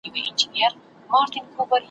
د سیاسي یرغلونو ترڅنګ